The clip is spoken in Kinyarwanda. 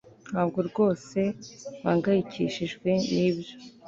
Ntabwo rwose mpangayikishijwe nibyo